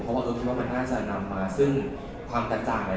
เพราะว่าเอ๋อคิดว่ามันน่าจะนำมาซึ่งความการจากหลายอย่าง